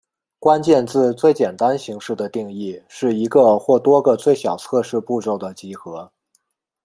关键字最简单形式的定义是一个或多个最小测试步骤的集合。